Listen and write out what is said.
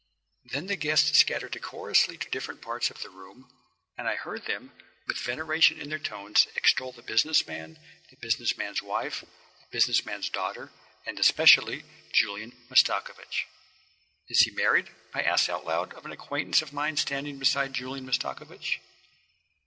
Then the guests scattered decorously to different parts of the room, and I heard them, with veneration in their tones, extol the business man, the business man's wife, the business man's daughter, and, especially, Julian Mastakovich. "Is he married?" I asked out loud of an acquaintance of mine standing beside Julian Mastakovich.